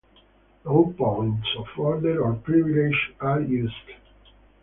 No points of order or Privilege are used.